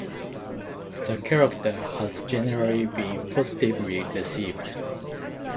The character has generally been positively received.